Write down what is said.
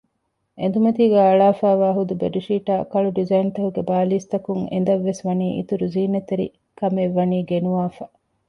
އެނދުމަތީގައި އަޅާފައިވާ ހުދު ބެޑްޝީޓާއި ކަޅު ޑިޒައިންތަކުގެ ބާލީސް ތަކުން އެނދަށްވެސް ވަނީ އިތުރު ޒީނަތްތެރިކަމެއްވަނީ ގެނުވާފަ